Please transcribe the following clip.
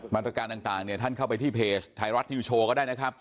บรรยากาศต่างท่านเข้าไปที่เพจไทยรัฐนิวโชว์ก็ได้นะครับ